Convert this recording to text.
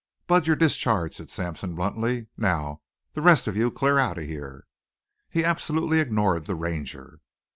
"Bud, you're discharged," said Sampson bluntly. "Now, the rest of you clear out of here." He absolutely ignored the Ranger.